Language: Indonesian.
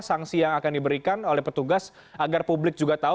sanksi yang akan diberikan oleh petugas agar publik juga tahu